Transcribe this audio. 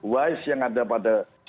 wise yang ada pada